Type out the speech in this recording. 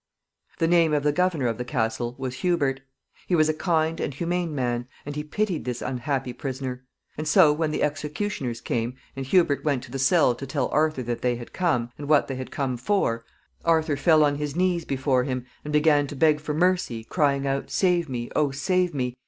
The name of the governor of the castle was Hubert. He was a kind and humane man, and he pitied his unhappy prisoner; and so, when the executioners came, and Hubert went to the cell to tell Arthur that they had come, and what they had come for, Arthur fell on his knees before him and began to beg for mercy, crying out, Save me! oh, save me!